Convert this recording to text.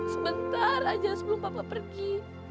sebentar aja sebelum papa pergi